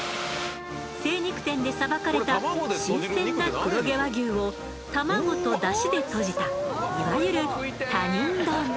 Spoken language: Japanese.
精肉店でさばかれた新鮮な黒毛和牛を卵とだしでとじたいわゆる他人丼。